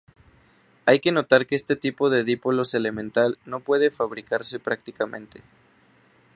Hay que notar que este tipo de dipolos elemental no puede fabricarse prácticamente.